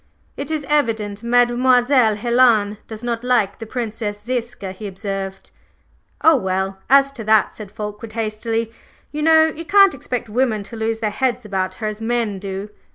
"It is evident Mademoiselle Helen does not like the Princess Ziska," he observed. "Oh, well, as to that," said Fulkeward hastily, "you know you can't expect women to lose their heads about her as men do.